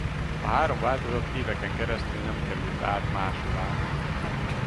A három változat éveken keresztül nem került át máshová.